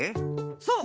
そう。